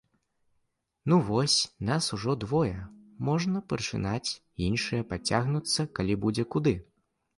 Ну вось, нас ужо двое, можна пачынаць, іншыя падцягнуцца, калі будзе куды.